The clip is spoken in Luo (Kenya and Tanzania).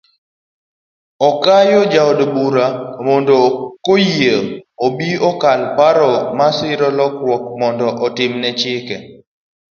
Okayo jood bura mondo joyie obi okal paro masiro lokruok mondo otim ne chike